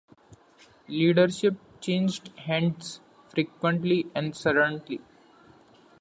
Leadership changed hands frequently and suddenly.